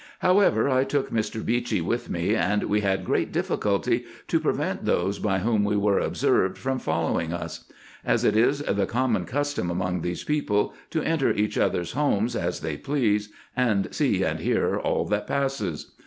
However, I took Mr. Beechey with me, and we had great difficulty to prevent those hy whom we were observed from following us ; as it is the common custom among these people to enter each other's houses as they please, and see and hear all that passes.